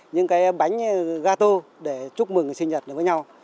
những cái bánh gato để chúc mừng sinh nhật với nhau